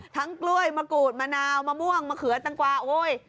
กล้วยมะกรูดมะนาวมะม่วงมะเขือตังกวาโอ้ย